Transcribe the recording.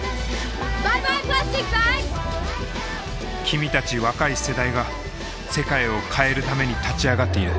君たち若い世代が世界を変えるために立ち上がっている。